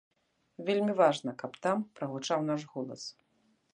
Вельмі важна, каб там прагучаў наш голас.